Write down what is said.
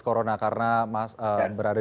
corona karena berada